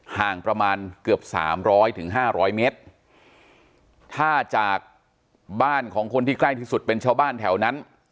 ห่างประมาณเกือบสามร้อยถึงห้าร้อยเมตรถ้าจากบ้านของคนที่ใกล้ที่สุดเป็นชาวบ้านแถวนั้น